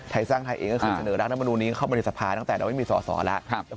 เปลี่ยงพร้อมมาแบบนี้เข้าบริษฐภาคตั้งแต่เราไม่ส่องแล้ว